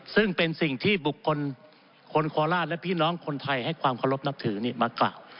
ซึ่งเป็นสิ่งที่บุคคลคนโคราชและพี่น้องคนไทยให้ความเคารพนับถือมากล่าว